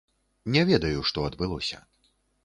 Не ведаю, што адбылося.